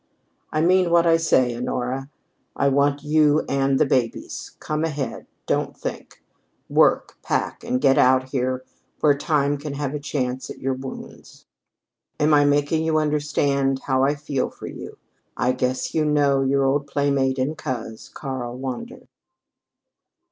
"I mean what I say, Honora. I want you and the babies. Come ahead. Don't think. Work pack and get out here where Time can have a chance at your wounds. "Am I making you understand how I feel for you? I guess you know your old playmate and coz, "KARL WANDER.